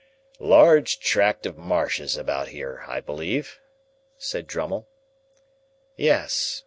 "Large tract of marshes about here, I believe?" said Drummle. "Yes.